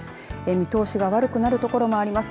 見通しが悪くなる所もあります。